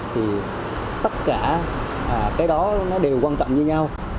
thì tất cả cái đó nó đều quan trọng như nhau